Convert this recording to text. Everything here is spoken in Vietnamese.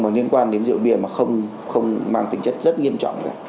mà liên quan đến rượu bia mà không mang tính chất rất nghiêm trọng